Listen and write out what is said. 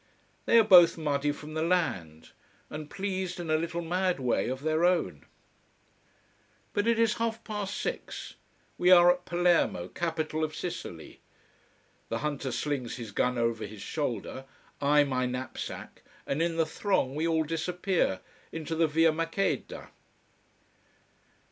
They are both muddy from the land, and pleased in a little mad way of their own. But it is half past six. We are at Palermo, capital of Sicily. The hunter slings his gun over his shoulder, I my knapsack, and in the throng we all disappear, into the Via Maqueda.